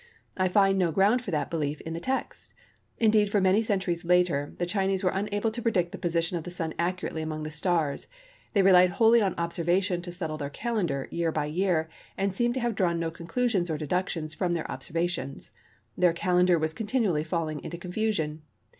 I find no ground for that belief in the text. Indeed, for many centuries later, the Chinese were unable to predict the position of the Sun accurately among the stars. They relied wholly on observation to settle their calendar, year by year, and seem to have drawn no conclusions or deductions from their observations. Their calendar was continually falling into confusion.